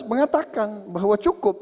mengatakan bahwa cukup